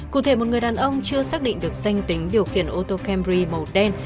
cụ thể một người đàn ông chưa xác định được danh tính điều khiển ô tô camry màu đen